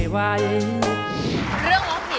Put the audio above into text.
ถ้าตอบถูกเป็นคนแรกขึ้นมาเลย